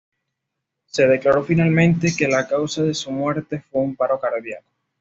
Se declaró finalmente que la causa de su muerte fue un paro cardíaco.